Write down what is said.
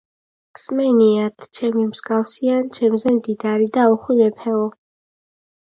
გსმენიათ, ჩემი მსგავსი ან ჩემზე მდიდარი და უხვი მეფეო.